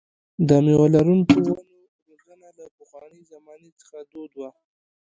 د مېوه لرونکو ونو روزنه له پخوانۍ زمانې څخه دود ده.